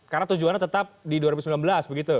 karena tujuannya tetap di dua ribu sembilan belas begitu